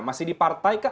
masih di partai kah